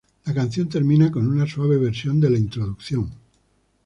La canción termina con una suave versión de la introducción.